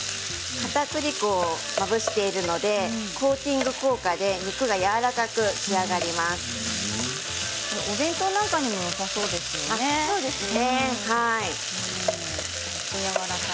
かたくり粉をまぶしているのでコーティング効果で肉がお弁当などにもそうですね、はい。